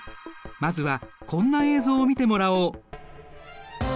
まずはこんな映像を見てもらおう。